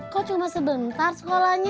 kok cuma sebentar sekolahnya